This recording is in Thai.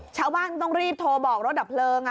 ชาวบ้านต้องรีบโทรบอกรถดับเพลิง